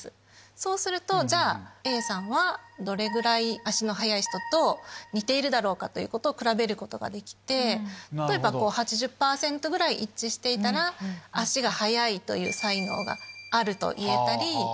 そうするとＡさんはどれぐらい足の速い人と似ているだろうかということを比べることができて例えば８０％ぐらい一致していたら足が速いという才能があるといえたり。